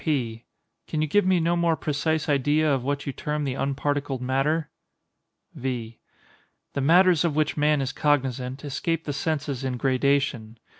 P. Can you give me no more precise idea of what you term the unparticled matter? V. The matters of which man is cognizant escape the senses in gradation.